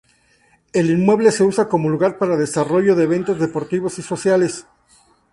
El inmueble se usa como lugar para desarrollo de eventos deportivos y sociales.